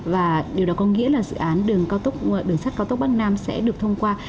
và điều đó có nghĩa là dự án đường sắt cao tốc bắc nam sẽ được thông qua